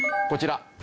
こちら。